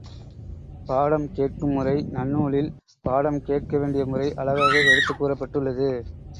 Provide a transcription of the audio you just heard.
பாடம் கேட்கும் முறை நன்னூலில் பாடம் கேட்க வேண்டிய முறை அழகாக எடுத்துக் கூறப்பட்டுள்ளது.